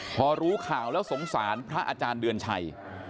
พอรู้ข่าวแล้วสงสารพระอาจารย์เดือนชัย